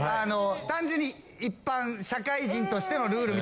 単純に一般社会人としてのルール。